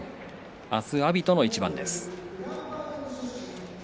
明日は阿炎との一番です。